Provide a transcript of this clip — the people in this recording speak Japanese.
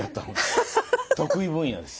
得意分野です。